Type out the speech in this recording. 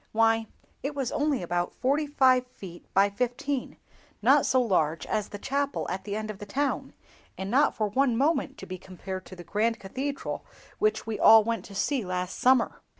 Why, it was only about forty five feet by fifteen—not so large as the chapel at the end of the town, and not for one moment to be compared to the grand cathedral which we all went to see last summer."